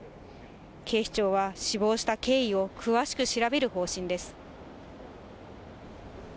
警視庁は、死亡した経緯を詳しく調べる方針です。